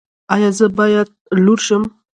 ایا زه باید لور شم؟